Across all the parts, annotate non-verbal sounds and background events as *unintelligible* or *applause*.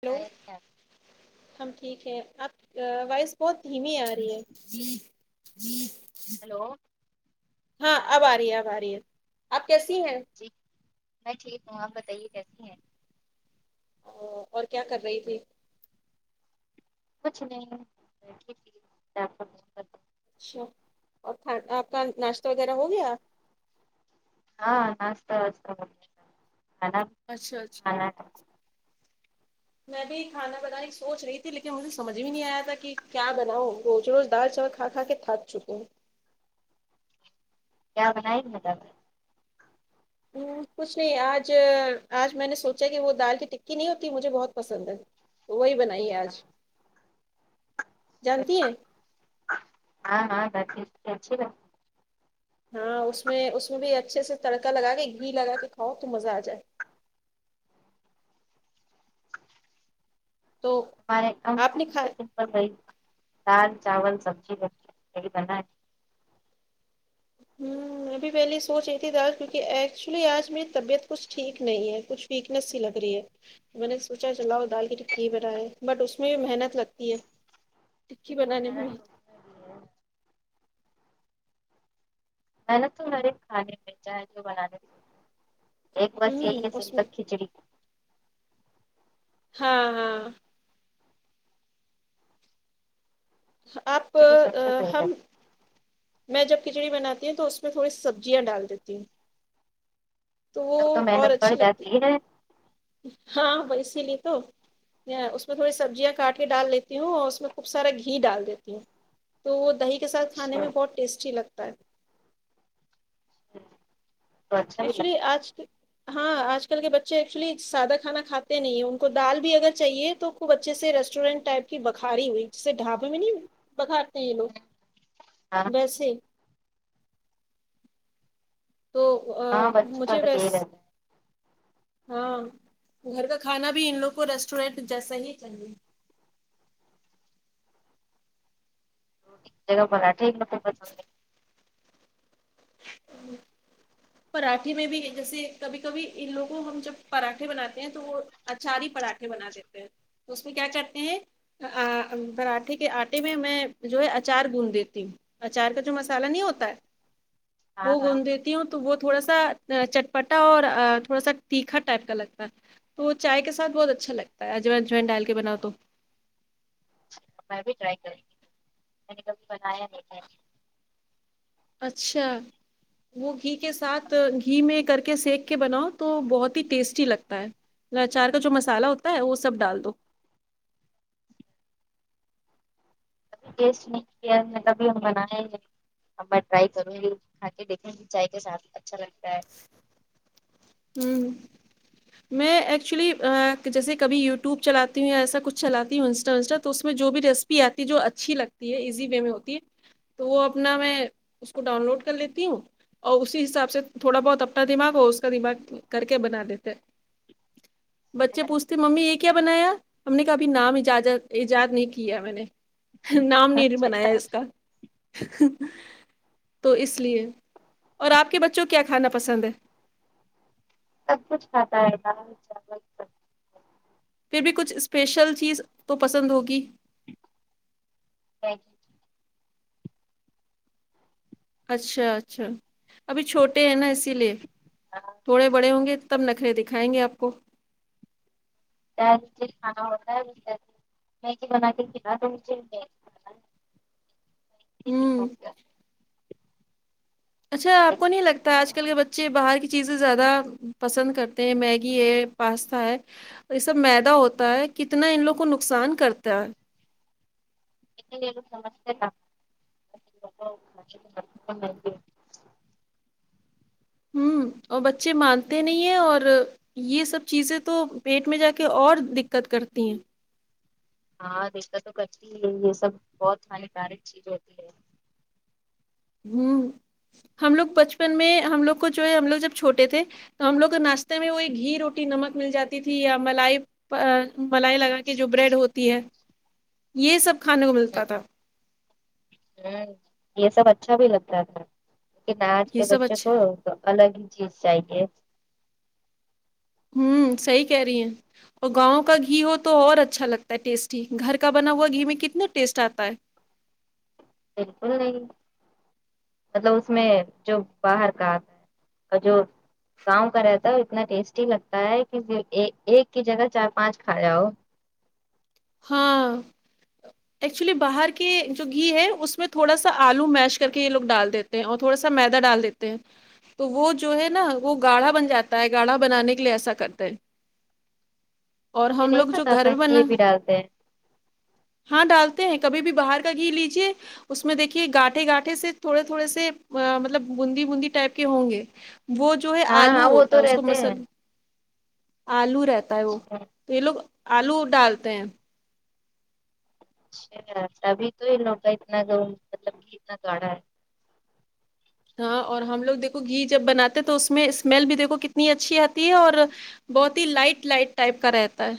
Hello ہم ٹھیک ہیں آپ وائس بہت دھیمی آ رہی ہے ہیلو ہاں اب آ رہی ہے اب آ رہی ہے آپ کیسی ہیں جی میں ٹھیک ہوں آپ بتائیے کیسی ہیں او اور کیا کر رہی تھی کچھ نہیں بیٹھی تھی *unintelligible* اچھا اور کھان آپ کا ناشتہ وغیرہ ہو گیا ہاں ناشتہ واشتا ہو گیا کھانا اچھا اچھا ا *unintelligible* میں بھی کھانا بنائی کی سوچ رہی تھی لیکن مجھے سمجھ بھی نہیں آیا تھا کہ کیا بناؤ روز روز دال چاول کھا کھا کے تھک چکے ہے کیا بنائی ہے میڈم اچ ہوں، *unintelligible* کچھ نہیں آج آج میں نے سوچا کہ وہ دال کی ٹکی نہیں ہوتی مجھے بہت پسند ہے تو وہی بنائی ہے آج جانتی ہیں ہاں ہاں بق اچھی گا *unintelligible* ہاں اس میں اس میں بھی اچھے سے تڑکا لگا کے گھی لگا کے کھاؤ تو مزہ آ جائے ا تو ے آپ نے کھا سمپل ب دال چاول سبزی سبی پ بنا *unintelligible* *inaudible* میں بھی پہلیے سوچ رہی تھی دال کیونکہ ایکچولی آج میری طبیعت کچھ ٹھیک نہیں ہے کچھ ویکنیس سی لگ رہی ہے میں نے سوچا چلاؤ دال کی ٹکی ہی بنائے بٹ اس میں بھی محنت لگتی ہے ٹکی ہاں، بنانے میں محنت تو اس میں بھی ہے، میں نے تو میرے کھانے میں چاہے جو بنانے ایک بس ہوں یہی ہے اس میں سمپل کھچڑی ہاں ہاں آپ کھچڑی سب سے پہلے ہم میں جب کھچڑی بناتی ہوں تو اس میں تھوڑی سبزیاں ڈال دیتی ہوں تو وہ تب اور محنت بڑھ اچھی لگتی جاتی ہے ہاں اسی لیے تو اس میں تھوڑی سبزیاں کاٹ کے ڈال دیتی ہوں اور اس میں خوب سارا گھی ڈال دیتی ہوں تو وہ دہی کے ساتھ کھانے میں بہت ٹیسٹی لگتا ہے تو اچھا بھی ایکچولی لگتا آج ہاں آج کل کے بچے ایکچولی سادہ کھانا کھاتے نہیں ہیں ان کو دال بھی اگر چاہیے تو خوب اچھے سے ریسٹورینٹ ٹائپ کی بخاری ہوئی جسے ڈھابے میں نہیں بکھارتے یہ ہے۔ لوگ ویسے ہی تو ہاں بچوں کا مجھے تو ویس یہی رہتا ہے ہاں گھر کا کھانا بھی ان لوگ کو ریسٹورینٹ جیسا ہی چاہیے *unintelligible* پراٹھے میں بھی جیسے کبھی کبھی ان لوگوں ہم جب پراٹھے بناتے ہیں تو وہ اچاری پراٹھے بنا دیتے ہیں اس میں کیا کرتے ہیں ا پراٹھے کے آٹے میں جو ہے اچار گند دیتی ہوں اچار کا جو مسالہ نہیں ہوتا ہے وہ ہاں ہاں گندھ دیتی ہوں تو وہ تھوڑا سا چٹپٹا اور تھوڑا سا تیکھا ٹائپ کا لگتا ہے تو وہ چائے کے ساتھ بہت اچھا لگتا ہے *unintelligible* ڈال کے بناؤ تو میں بھی ٹرائی کرونگی میں نے کبھی بنایا نہیں تھا اچھا وہ گھی کے ساتھ گھی میں کر کے سیک کے بناؤ تو بہت ہی ٹیسٹی لگتا ہے جو چار کا جو مسالہ ہوتا ہے وہ سب ڈالدو *unintelligible* اب میں ٹرائی کروں گی کھا کے دیکھوں گی چائے کے ساتھ اچھا لگتا ہے ہمم میں ایکچولی جیسے کبھی یوٹیوب چلاتی ہوں یا ایسا کچھ چلاتی ہوں انسٹا ونسٹا تو اس میں جو بھی ریسیپی آتی ہے جو اچھی لگتی ہے ایزی وے میں ہوتی ہے تو وہ اپنا میں اسکو ڈاؤن لوڈ کر لیتی ہوں اور اسی حساب سے تھوڑا بہت اپنا دماغ اور *unintelligible* کر کے بنا دیتے بچے پوچھتے ممی یہ کیا بنایا ہم نے کبھی نام اجازت ایجاد نہیں کیاہے میں نے نام نہیں بنایا اچھا اس کا تو اس لیے اور آپ کے بچوں کو کیا کھانا پسند ہے سب کچھ کھاتا ہے دال چاول سبزی پھر بھی کچھ اسپیشل چیز تو پسند ہوگی میگی اچھا اچھا ابھی چھوٹے ہیں نا اسی لیے تھوڑے بڑے ہوں گے تب نخرے دکھائیں گے آپ کو *unintelligible* کھانا ہوں ہے۔ اچھا آپ کو نہیں لگتا ہے آج کل لیکن کے بچے باہر کی چیزیں زیادہ پسند کرتے ہیں میگی یہ پاستا ہے یہ سب مدہ ہوتا ہے کتنا ان لوگ کو نقصان کرتا ہے *unintelligible* ہمم اور بچے مانتے نہیں ہیں اور یہ سب چیزیں تو پیٹ میں جا کے اور دکت کرتی ہیں ہاں دکت تو کرتی ہی ہے یہ سب بہت ہانیکارک چیز ہوتی ہے ہمم ہم لوگ بچپن میں ہم لوگ کو جو ہے ہم لوگ جب چھوٹے تھے تو ہم لوگ کو ناشتے میں وہی گھی روٹی نمک مل جاتی تھی یا ملائی ملائی لگا کے جو بریڈ ہوتی ہے یہ سب کھانے کو ملتاتھا ہ یہ سب اچھا بھی لگتا تھا لیکن آج یہ کے سب بچوں اچھے کو تو الگ ہی چیز چاہیے ہوں صحیح کہہ رہی ہیں اور گاؤں کا گھی ہو تو اور اچھا لگتا ہے ٹیسٹی گھر کا بنا ہوا گھی میں کتنا ٹیسٹ آتا ہے بالکل نہیں مطلب اس میں جو باہر کا آتا ہے اور جو گاؤں کا رہا تو اتنا ٹیسٹی لگتا ہے کہ ایک کی جگہ چار پانچ کھاجاؤ ہاں ایکچولی باہر کے جو گھی ہے اس میں تھوڑا سا آلو میش کر کے یہ لوگ ڈال دیتے اور تھوڑا سا میدا ڈال دیتے ہیں تو وہ جو ہے نا وہ گاڑھا بن جاتا ہے گاڑھا بنانے کے لیے ایسا کرتا ہے مجھے نہیں جو پتا گھر تھا میں کہ بنا یہ بھی ڈالتے ہیں ہاں ڈالتے ہیں کبھی بھی باہر کا گھی لیجیے اس میں دیکھیے گا ٹھے گاٹھے سے تھوڑے تھوڑے سے مطلب بوندی بوندی ٹائپ کے ہوں گے وہ جو ہے ہاں آلو ہاں وہ ہوتا ہے تو اس کو رہتے ہیں مسل آلو رہتا ہے وہ تو یہ لوگ الو ڈالتے ہیں اچھا تبھی تو یہ لوگ کا اتنا مطلب گھی اتنا گاڑا ہے ہاں اور ہم لوگ دیکھو گھی جب بناتے ہیں تو اس میں دیکھو اسمیل بھی دیکھو کتنی اچھی آتی ہے اور بہت ہی لائٹ لائٹ ٹائپ کا رہتا ہے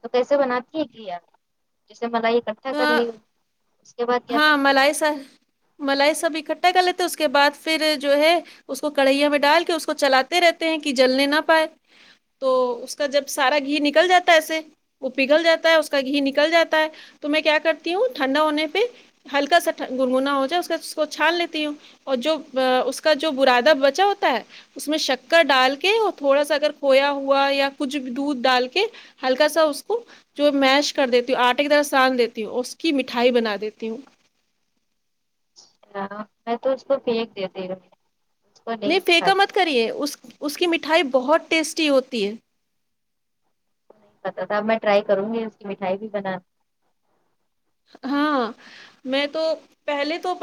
تو کیسے بناتی ہے گھی آپ جیسے ملائی کا اکھٹا کر لی اس کے بعد کیا ہاں کرتی ہے ملائی سا ملائی سب ایکھٹا کر لیتے ہیں اس کے بعد پھر جو ہے اس کو کڑھیا میں ڈال کے اس کو چلاتے رہتے ہیں کہ جلنے نہ پائے تو اس کا جب سارا گھی نکل جاتا ہے ایسے وہ پگھل جاتا ہے اس کا گھی نکل جاتا ہے تو میں کیا کرتی ہوں ٹھنڈا ہونے پہ ہلکا سا گنگنا ہو جائے اس کے بعد اس کو چھان لیتی ہوں اور جو اس کا جو برادہ بچا ہوتا ہے اس میں شکر ڈال کے اور تھوڑا سا اگر کھویا ہوا یا کچھ بھی دودھ ڈال کے ہلکا سا اس کو جو میش کر دیتی آٹے کی طرح سان لیتی ہوں اس کی مٹھائی بنا دیتی ہوں ہاں میں تو اس کو پھیک دیتی ہو نہیں پھکا مت کریے اس اس کی مٹھائی بہت ٹیسٹی ہوتی ہے ہوں نہیں تھا اب میں ٹرائی کروں گی اس کی مٹھائی بھی بنانا ہاں میں تو کی پہلے تو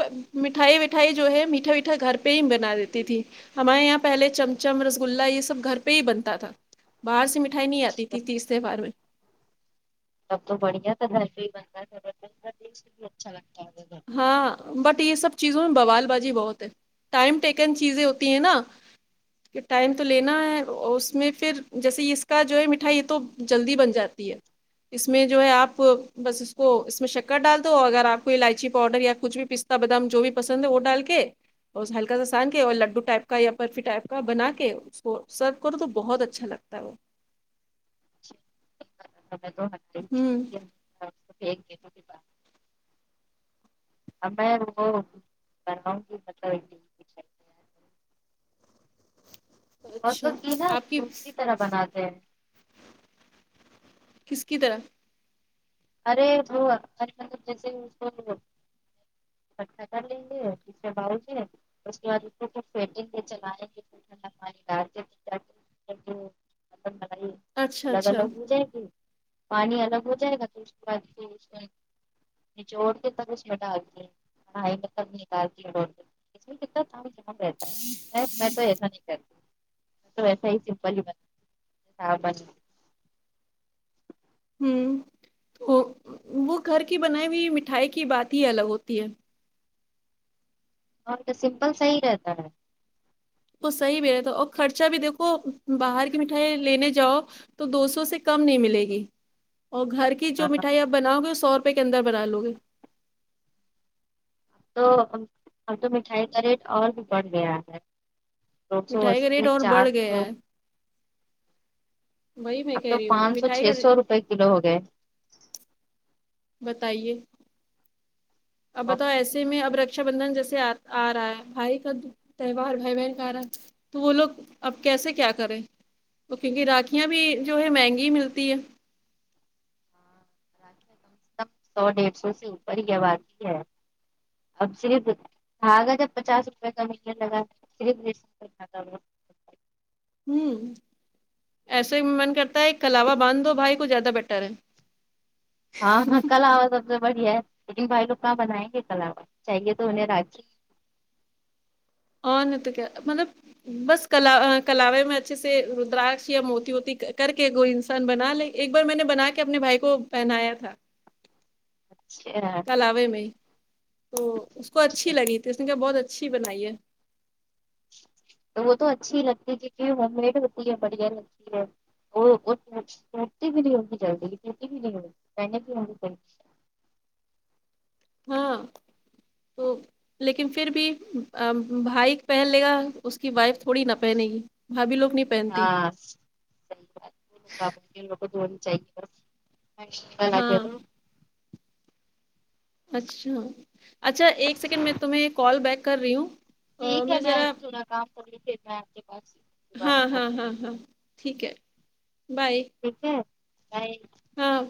مٹھائی وٹھائی جو ہے میٹھا میٹھا گھر پہ ہی بنا دیتی تھی ہمارے یہاں پہلے چھمچم رسگلہ یہ سب گھر پہ ہی بنتا تھا باہر سے میٹھا ئی نہیں آتی تھی تیسرے بار میں تب تو بڑھیا تھا گھر پہ ہی بنتا تھا اچھا لگتا ہے ہاں بٹ یہ سب چیزوں میں بوال بازی بہت ہے ٹائم ٹیکن چیزیں ہوتی ہیں نا کہ ٹائم تو لینا ہے اس میں پھر جیسے اس کا جو ہے مٹھائی یہ تو جلدی بن جاتی ہے اس میں جو ہے اپ بس اس کو اس میں شکر ڈال دو اگر اپ کو الائچی پاوڈر یا کچھ بھی پستہ بادام جو بھی پسند ہے وہ ڈال کے اور اس ہلکا سا سان کے اور لڈو ٹائپ کا یا برفی ٹائپ کا بنا کے سرو کرو تو بہت اچھا لگتا ہے وہ ہوں *unintelligible* اب میں وہ بناوں گی *unintelligible* اور اچھا تو گی نا آپ کی دوسری طرح بناتے ہیں کس کی طرح ارے وہ مطلب جیسے ہی اسکو اٹھا کر لیں گے *unintelligible* اس کے بعد فٹ چلائیں گے *unintelligible* اچھا الگ اچھا الگ ہو جائے گی پانی الگ ہو جائے گا تو اس کے بعد پھر اس میں نچوڑ کے تب اسمے ڈالتے ہے *unintelligible* *unintelligible* میں تو ایسا نہیں کرتی میں تو ایسا ہی سمپل ہی *unintelligible* ہوں وہ وہ گھر کی بنائی ہوئی مٹھائی کی بات ہی الگ ہوتی ہے اور تو سمپل صحیح رہتا ہے وہ صحیح بھی رہتا اور خرچہ بھی دیکھو باہر کی مٹھائی لینے جاؤ تو دو سو سے کم نہیں ملے گی اور گھر کے جو ہاں مٹھائی آپ بناؤ گے سو روپے کے اندر بنا لو گے تو اب تو مٹھائی کا ریٹ اور بھی بڑھ گیا ہے دو سو مٹھائی کا اسی ریٹ اور چار بڑھ سو گیا ہے وہی میں اب کہہ تو رہی ہوں پانچ سو چھ مٹھائی کا سو روپے کلو ہو گئے بتائیے اب بہت بتاؤ ایسے مہنگا میں ہو اب گیا رکشا بندھن جیسے آ رہا ہے بھائی کا تہوار بھائی بہن کا ارہا تو وہ لوگ اب کیسے کیا کریں تو کیونکہ راکیاں بھی جو ہے مہنگی ہی ملتی ہے ہاں کم سے سو ڈیڑھ سو سے اوپر ہی آواتی ہے اب صرف دھاگا جب پچاس روپے کا ملنے لگا صرف *unintelligible* ہوں ایسے من کرتا ہے کلاوہ باندھ دو بھائی کو زیادہ بیٹر ہے ہاں ہاں کلاوہ سب سے بڑھیا ہے لیکن بھائی لوگ کہاں بنائیں گے کلا وہ چاہیے تو انہیں راکھی اور نہیں تو کیا مطلب بس کلا کلاوے میں اچھے سے ردراکش یا موتی موتی کر کے وہ انسان بنا لے ایک بار میں نے بنا کے اپنے بھائی کو پہنایا تھا اچھا کلاوے میں تو اس کو اچھی لگی تھی اس نے کہا بہت اچھی بنائی ہے تو وہ تو اچھی ہی لگتی ہے کیونکہ ہوم میڈ ہوتی ہے بڑھیا لگتی ہے وہوتی بھی نہیں ہوی جلی توتی بھی نہیں *unintelligible* ہاں تو لیکن پھر بھی بھائی پہن لے گا اس کی وائف تھوڑی نہ پہنے گی بھابھی لوگ نہیں پہنتی *unintelligible* کو چاہیے ہاں *unintelligible* اچھا اچھا ایک سیکنڈ میں تمہیں کال بیک کر رہی ہوں آ، ٹھیک ہے میں ذرا تھورا کام کروں پھر میں آپ کے پاس دوبارہ ہاں کول ہاں کر ہاں ہاں ٹھیک ہے بائے ٹھیک ہے بائے ہاں